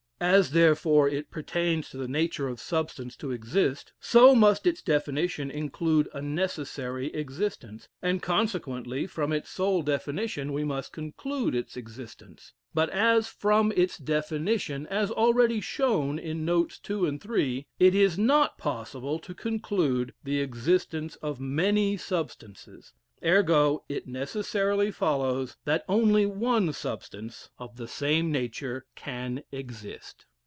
"As therefore it pertains to the nature of substance to exist, so must its definition include a necessary existence, and consequently from its sole definition we must conclude its existence. But as from its definition, as already shown in notes two and three, it is not possible to conclude the existence of many substances ergo, it necessarily follows that only one substance of the same nature can exist."